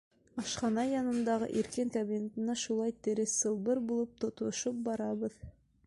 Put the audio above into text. Ашхана янындағы иркен кабинетына шулай тере сылбыр булып тотоношоп барабыҙ.